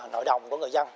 nội đồng của người dân